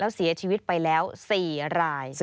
แล้วเสียชีวิตไปแล้ว๔ราย